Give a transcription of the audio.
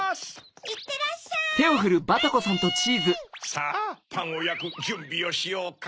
さぁパンをやくじゅんびをしようか。